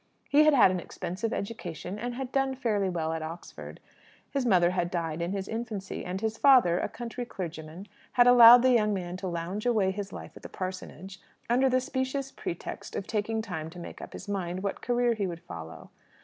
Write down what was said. He had had an expensive education, and had done fairly well at Oxford. His mother had died in his infancy; and his father, a country clergyman, had allowed the young man to lounge away his life at the parsonage, under the specious pretext of taking time to make up his mind what career he would follow.